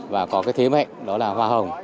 và có cái thế mạnh đó là hoa hồng